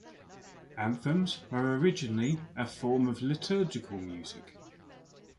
Anthems were originally a form of liturgical music.